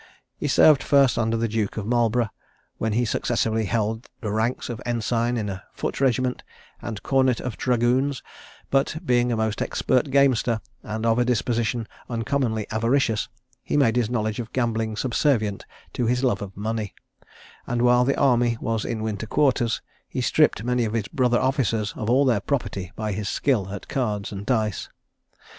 He served first under the Duke of Marlborough, when he successively held the ranks of ensign in a foot regiment, and cornet of dragoons; but being a most expert gamester, and of a disposition uncommonly avaricious, he made his knowledge of gambling subservient to his love of money; and while the army was in winter quarters, he stripped many of his brother officers of all their property by his skill at cards and dice.